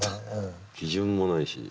基準もないし。